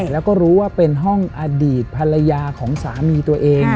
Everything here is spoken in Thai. แล้วก็รู้ว่าเป็นห้องอดีตภรรยาของสามีตัวเอง